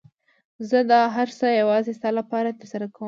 زه دا هر څه يوازې ستا لپاره ترسره کوم.